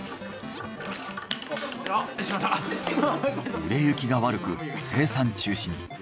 売れ行きが悪く生産中止に。